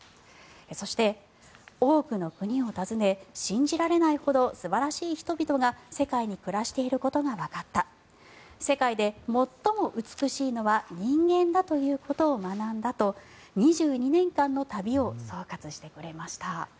そして、多くの国を訪ね信じられないほど素晴らしい人々が世界に暮らしていることがわかった世界で最も美しいのは人間だということを学んだと２２年間の旅を総括してくれました。